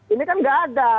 ini kan gak ada